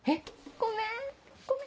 ごめんごめん。